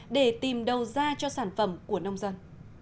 để tìm đầu ra cho sản phẩm của nông dân